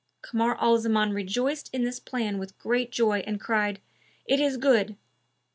Kamar al Zaman rejoiced in this plan with great joy and cried, "It is good."